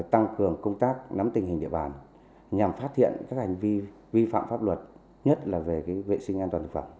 tăng cường công tác nắm tình hình địa bàn nhằm phát hiện các hành vi vi phạm pháp luật nhất là về vệ sinh an toàn thực phẩm